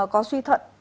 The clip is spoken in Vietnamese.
có suy thận